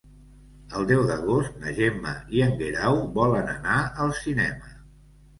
El deu d'agost na Gemma i en Guerau volen anar al cinema.